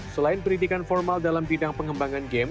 selain pendidikan formal dalam bidang pengembangan game